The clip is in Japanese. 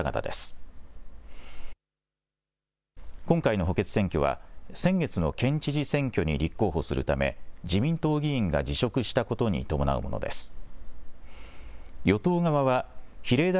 今回の補欠選挙は先月の県知事選挙に立候補するため自民党議員が辞職したことに伴うものです。